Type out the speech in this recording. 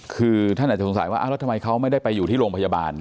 คือท่านอาจจะสงสัยว่าแล้วทำไมเขาไม่ได้ไปอยู่ที่โรงพยาบาล